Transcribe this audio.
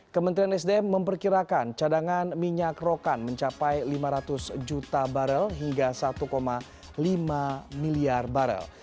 kementerian sdm memperkirakan cadangan minyak rokan mencapai lima ratus juta barel hingga satu lima miliar barel